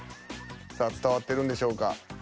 さあ伝わってるんでしょうか？